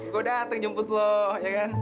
kok dateng jemput lo ya kan